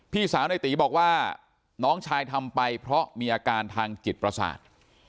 พี่สาวในตีบอกว่าน้องชายทำไปเพราะมีอาการทางจิตประสาท